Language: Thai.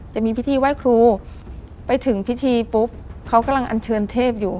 จะมีพิธีไหว้ครูไปถึงพิธีปุ๊บเขากำลังอันเชิญเทพอยู่